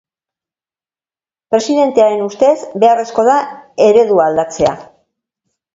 Presidentearen ustez, beharrezkoa da eredua aldatzea.